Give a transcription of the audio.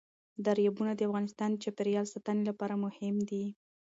دریابونه د افغانستان د چاپیریال ساتنې لپاره مهم دي.